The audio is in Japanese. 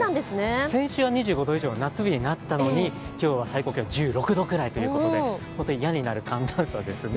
先週は２５度以上、夏日になったのに今日は最高気温１６度くらいということで本当に嫌になる寒暖差ですね。